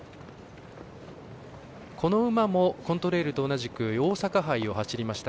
この馬も、コントレイルと同じく大阪杯を走りました。